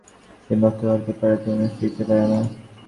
তীর লক্ষ্য হারাতে পারে তূণে ফিরতে পারে না।